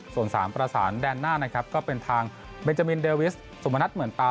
ส่วน๓ประสานแดนหน้านะครับก็เป็นทางเบนจามินเดวิสสุมนัทเหมือนตา